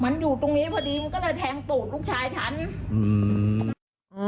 มันอยู่ตรงนี้พอดีมันก็เลยแทงตูดลูกชายฉันอืม